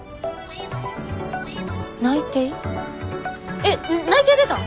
えっ内定出たん？